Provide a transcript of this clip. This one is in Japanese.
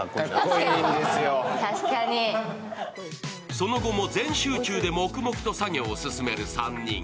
その後も全集中で黙々と作業を進める３人。